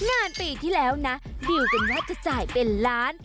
งานปีที่แล้วนะดิวกันว่าจะจ่ายเป็นล้าน